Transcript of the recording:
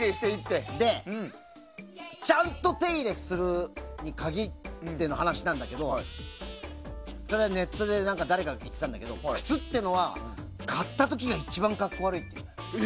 で、ちゃんと手入れするに限っての話なんだけどそれはネットで誰かが言ってたんだけど靴っていうのは買った時が一番格好悪いって。